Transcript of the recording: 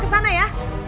kepada sana ya